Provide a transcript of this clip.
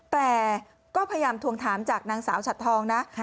แต่ก็พยายามทวงถามจากนางสาวฉัดทองนะ